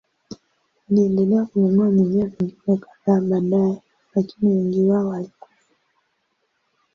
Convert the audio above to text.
Aliendelea kununua mimea mingine kadhaa baadaye, lakini wengi wao walikufa.